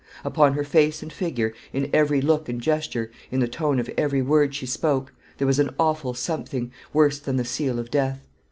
Upon her face and figure, in every look and gesture, in the tone of every word she spoke, there was an awful something, worse than the seal of death.